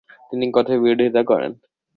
তিনি কঠোর বিরোধিতা করেন।